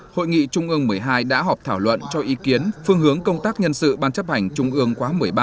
hội nghị trung ương một mươi hai đã họp thảo luận cho ý kiến phương hướng công tác nhân sự ban chấp hành trung ương khóa một mươi ba